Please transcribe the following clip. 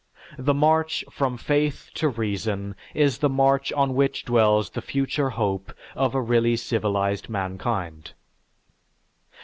The march from faith to reason is the march on which dwells the future hope of a really civilized mankind.